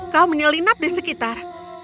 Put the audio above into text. kau menyelinap di sekitar